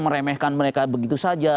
meremehkan mereka begitu saja